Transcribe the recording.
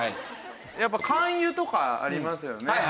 やっぱ肝油とかありますよね。